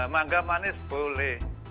mangga manis boleh